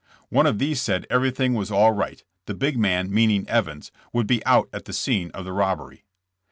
One of these said everything was all right, the big man meaning Evans, would be out at the scene of the robbery.